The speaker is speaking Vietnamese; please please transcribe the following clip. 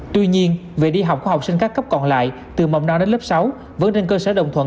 tuy nhiên việc đi học của học sinh các cấp còn lại từ mầm non đến lớp sáu vẫn trên cơ sở đồng thuận